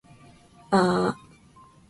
あああああああああああ